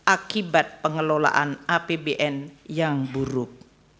akibat pengelolaan apbn yang buruk